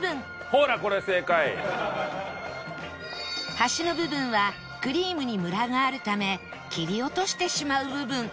端の部分はクリームにムラがあるため切り落としてしまう部分